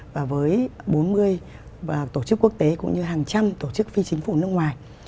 và với bốn mươi tổ chức quốc tế cũng như hàng trăm tổ chức phi chính phủ nước ngoài